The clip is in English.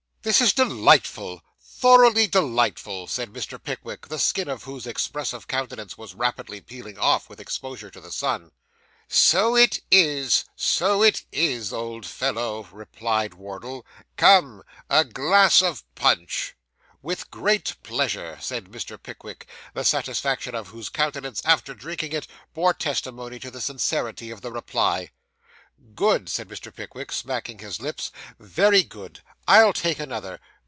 'This is delightful thoroughly delightful!' said Mr. Pickwick; the skin of whose expressive countenance was rapidly peeling off, with exposure to the sun. 'So it is so it is, old fellow,' replied Wardle. 'Come; a glass of punch!' 'With great pleasure,' said Mr. Pickwick; the satisfaction of whose countenance, after drinking it, bore testimony to the sincerity of the reply. 'Good,' said Mr. Pickwick, smacking his lips. 'Very good. I'll take another.